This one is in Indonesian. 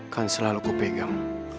kan selalu ku pegang